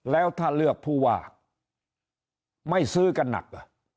แล้วถ้าเลือกผู้ว่าไม่ซื้อกันหนัก